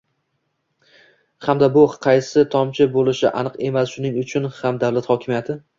hamda bu qaysi tomchi bo‘lishi aniq emas: shuning uchun ham, davlat hokimiyati